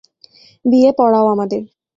বিয়ে পড়াও আমাদের।